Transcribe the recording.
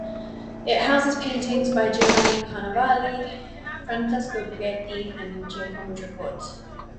It houses paintings by Giovanni Carnovali, Francesco Coghetti and Giacomo Trecourt.